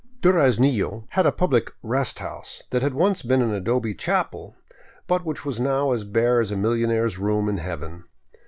Duraznillo had a public rest house " that had once been an adobe chapel, but which was now as bare as a millionaire's room in heaven.